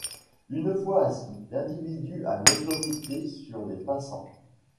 Une fois assis, l’individu a l’autorité sur les passants.